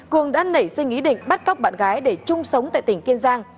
cường đã nảy sinh ý định bắt cóc bạn gái để chung sống tại tỉnh kiên giang